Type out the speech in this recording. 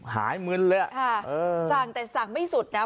หายเมือนเลยอ่าสั่งแต่สั่งไม่สุดนะฮะ